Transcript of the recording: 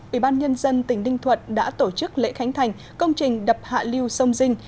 ủy ban nhân dân tỉnh ninh thuận đã tổ chức lễ khánh thành công trình đập hạ lưu sông dinh